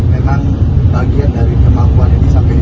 memang bagian dari kemampuan ini sampai tiga ratus delapan puluh juta